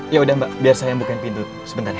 ya udah mbak biar saya bukain pintu sebentar